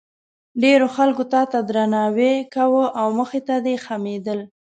ډېرو خلکو تا ته درناوی کاوه او مخې ته دې خمېدل.